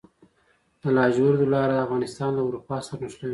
د لاجوردو لاره افغانستان له اروپا سره نښلوي